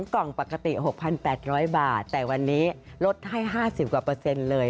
กล่องปกติ๖๘๐๐บาทแต่วันนี้ลดให้๕๐กว่าเปอร์เซ็นต์เลย